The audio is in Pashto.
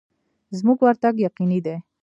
زموږ ورتګ یقیني دی.